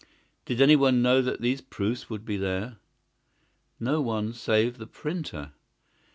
"Did anyone know that these proofs would be there?" "No one save the printer."